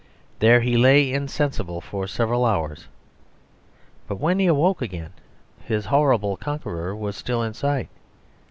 There he lay insensible for several hours; but when he awoke again his horrible conqueror was still in sight.